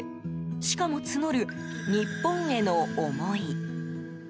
しかも募る、日本への思い。